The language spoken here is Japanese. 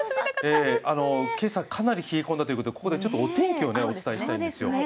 今朝、かなり冷え込んだということでここでお天気をお伝えしたいんです。